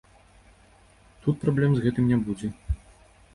Тут праблем з гэтым не будзе.